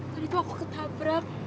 tadi kok ketabrak